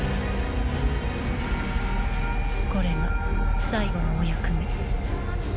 これが最後のお役目。